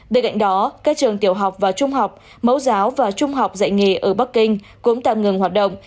bên cạnh đó các trường tiểu học và trung học mẫu giáo và trung học dạy nghề ở bắc kinh cũng tạm ngừng hoạt động